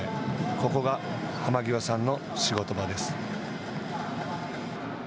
ここが濱涯さんの仕事場です。